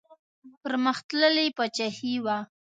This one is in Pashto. پرمختللې پاچاهي وه.